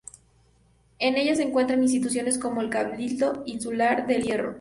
En ella se encuentran instituciones como el Cabildo Insular de El Hierro.